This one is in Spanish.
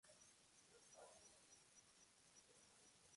Portaban armas alquiladas procedentes del Milanesado y Reino de Nápoles.